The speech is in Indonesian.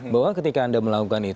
bahwa ketika anda melakukan